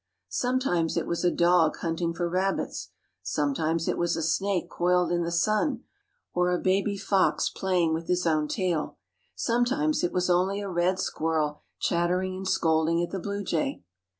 Sometimes it was a dog hunting for rabbits; sometimes it was a snake coiled in the sun, or a baby fox playing with his own tail; sometimes it was only a red squirrel chattering and scolding at the blue jay.